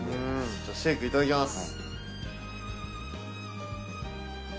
じゃあシェイクいただきます。